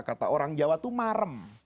kata orang jawa itu marem